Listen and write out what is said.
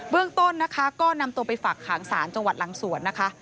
เรื่องต้นนะคะก็นำตัวไปฝักขังศาลจังหวัดหลังสวนนะคะ